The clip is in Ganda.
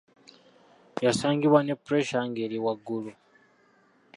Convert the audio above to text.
Yasangibwa ne puleesa ng'ali waggulu.